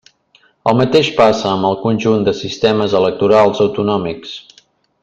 El mateix passa amb el conjunt de sistemes electorals autonòmics.